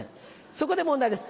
そこで問題です